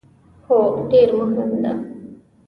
هو، ډیر مهم ده